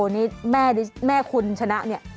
นี่แม่คุณชนะเนี่ย